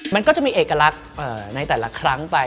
มันก็จะมีเอกลักษณ์ในแต่ละครั้งไป